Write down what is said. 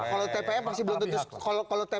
kalau tpf masih belum tentu setuju